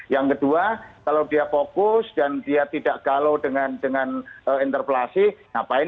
yang kedua kalau dia fokus dan dia tidak galau dengan interpelasi ngapain